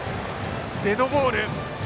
デッドボール。